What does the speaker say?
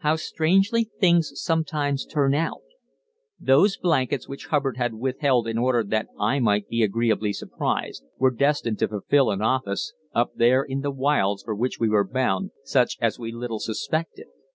How strangely things sometimes turn out! Those blankets which Hubbard had withheld in order that I might be agreeably surprised, were destined to fulfil an office, up there in the wilds for which we were bound, such as we little suspected.